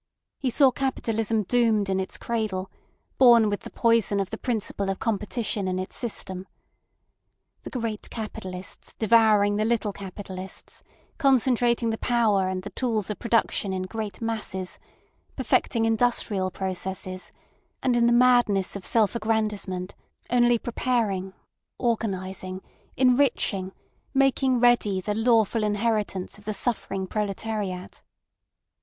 He saw Capitalism doomed in its cradle, born with the poison of the principle of competition in its system. The great capitalists devouring the little capitalists, concentrating the power and the tools of production in great masses, perfecting industrial processes, and in the madness of self aggrandisement only preparing, organising, enriching, making ready the lawful inheritance of the suffering proletariat.